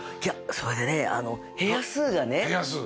それでね部屋数がね